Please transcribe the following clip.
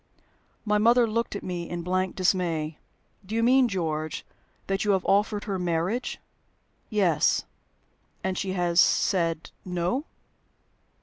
My mother looked at me in blank dismay. "Do you mean, George, that you have offered her marriage?" "Yes." "And she has said No?"